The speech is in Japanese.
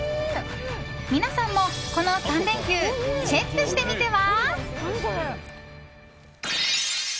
皆さんも、この３連休チェックしてみては？